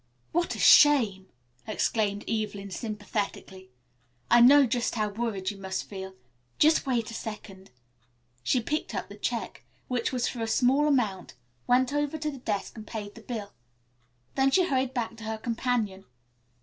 "What a shame!" exclaimed Evelyn, sympathetically. "I know just how worried you must feel. Just wait a second." She picked up the check, which was for a small amount, went over to the desk, and paid the bill. Then she hurried back to her companion.